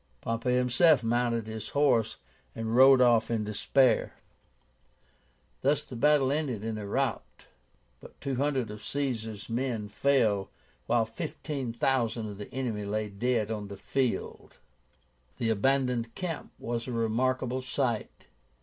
Pompey himself mounted his horse and rode off in despair. Thus the battle ended in a rout. But two hundred of Caesar's men fell, while fifteen thousand of the enemy lay dead on the field. The abandoned camp was a remarkable sight.